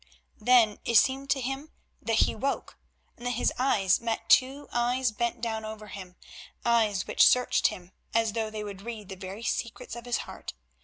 Then it seemed to him that he woke, and that his eyes met two eyes bent down over him, eyes which searched him as though they would read the very secrets of his heart.